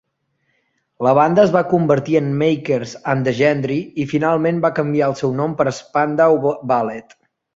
La banda es va convertir en Makers and the Gentry i finalment va canviar el seu nom per Spandau Ballet.